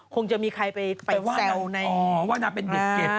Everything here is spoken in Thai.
คงจะมีใครไปแซวใน